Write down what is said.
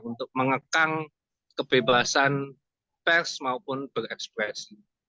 untuk mengekang kebebasan pers maupun berekspresi